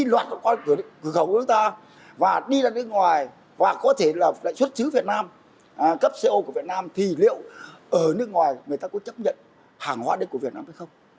cửa khẩu của chúng ta và đi ra nước ngoài và có thể là lại xuất xứ việt nam cấp co của việt nam thì liệu ở nước ngoài người ta có chấp nhận hàng hóa đất của việt nam hay không